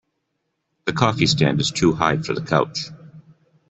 The coffee stand is too high for the couch.